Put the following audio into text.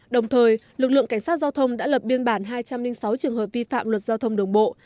đồng thời lực lượng cảnh sát giao thông đã lập biên bản hai trăm linh sáu trường hợp vi phạm luật giao thông đường bộ